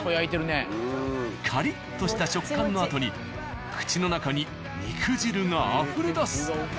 カリッとした食感のあとに口の中に肉汁があふれ出す。